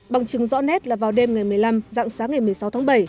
bằng chứng rõ nét là vào đêm ngày một mươi năm dạng sáng ngày một mươi sáu tháng bảy